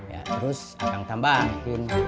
ya terus akang tambahin